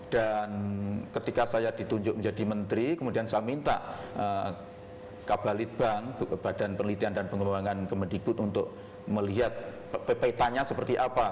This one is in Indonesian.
dan ketika saya ditunjuk menjadi menteri kemudian saya minta kabalit bank badan penelitian dan pengelolaan kemendikut untuk melihat petanya seperti apa